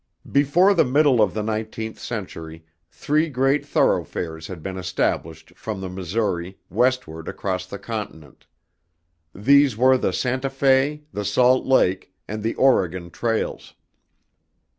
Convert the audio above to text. Before the middle of the nineteenth century, three great thoroughfares had been established from the Missouri, westward across the continent. These were the Santa Fe, the Salt Lake, and the Oregon trails.